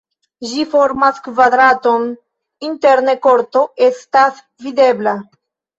Ĝi formas kvadraton, interne korto estas videbla.